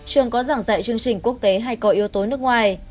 trường có giảng dạy chương trình quốc tế hay có yếu tố nước ngoài